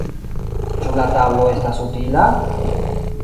Ĉu la tablo estas utila?